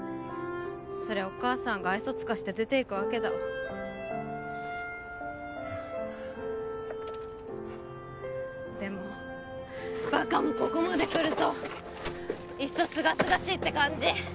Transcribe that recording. そりゃお母さんが愛想尽かして出ていくわけだでもバカもここまでくるといっそすがすがしいって感じ